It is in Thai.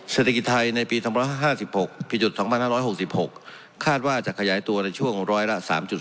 เศรษฐกิจไทยในปี๒๕๖๒๕๖๖คาดว่าจะขยายตัวในช่วงร้อยละ๓๔